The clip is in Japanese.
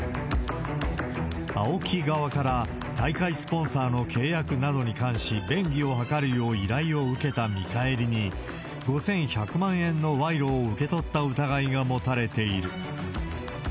ＡＯＫＩ側から、大会スポンサーの契約などに関し、便宜を図るよう依頼を受けた見返りに、５１００万円の賄賂を受け取った疑いが持たれている。